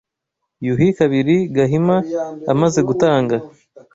Yuhi II Gahima amaze gutanga